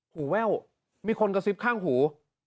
แว่วมีคนกระซิบข้างหู